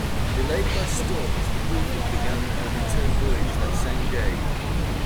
Delayed by storms, the "Buford" began her return voyage that same day.